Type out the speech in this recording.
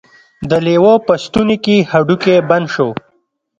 د لیوه په ستوني کې هډوکی بند شو.